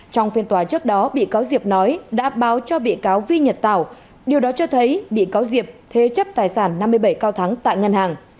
trong phiên tòa trước đó bị cáo diệp nói đã báo cho bị cáo vi nhật tảo điều đó cho thấy bị cáo diệp thế chấp tài sản năm mươi bảy cao thắng tại ngân hàng